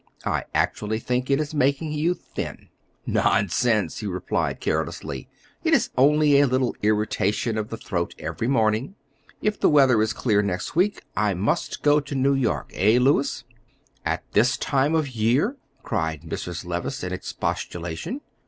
I actually think it is making you thin." "Nonsense!" he replied carelessly; "it is only a little irritation of the throat every morning. If the weather is clear next week, I must go to New York. Eh, Louis?" "At this time of the year!" cried Mrs. Levice, in expostulation.